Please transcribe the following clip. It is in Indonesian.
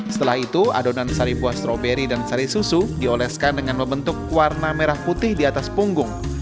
setelah itu adonan sari buah stroberi dan sari susu dioleskan dengan membentuk warna merah putih di atas punggung